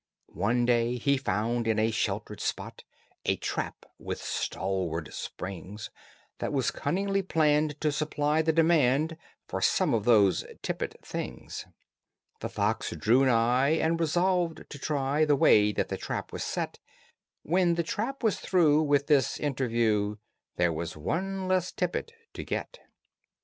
One day he found in a sheltered spot A trap with stalwart springs That was cunningly planned to supply the demand For some of those tippet things. The fox drew nigh, and resolved to try The way that the trap was set: (When the trap was through with this interview There was one less tippet to get!)